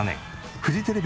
フジテレビ